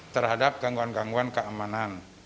terhadap gangguan gangguan keamanan